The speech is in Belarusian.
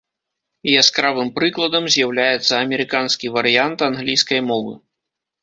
Яскравым прыкладам з'яўляецца амерыканскі варыянт англійскай мовы.